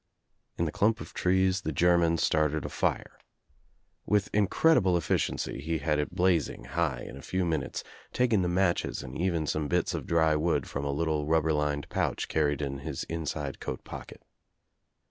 In the clump of trees the German started a fire. With incredible efficiency he had It blazing high in a few minutes, taking the matches and even some bits of dry wood from a little rubber lined pouch earned In his inside coat pocket.